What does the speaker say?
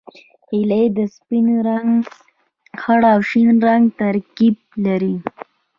هیلۍ د سپین، خړ او شین رنګ ترکیب لري